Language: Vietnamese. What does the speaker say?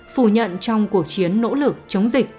phủ nhận trong cuộc chiến nỗ lực chống dịch